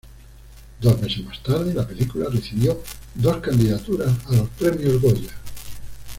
Dos meses más tarde, la película recibió dos candidaturas a los Premios Goya.